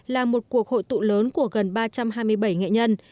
là một cuộc hội tụ lớn của gần ba trăm hai mươi bảy nghệ nhân